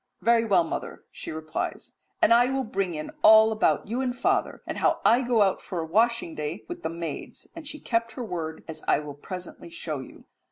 "Very well, mother," she replies, "and I will bring in all about you and father, and how I go out for a washing day with the maids," and she kept her word, as I will presently show you.